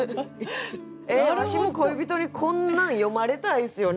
ええわしも恋人にこんなん詠まれたいっすよね。